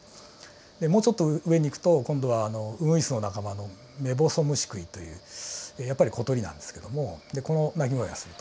でもうちょっと上に行くと今度はウグイスの仲間のメボソムシクイというやっぱり小鳥なんですけどもでこの鳴き声がすると。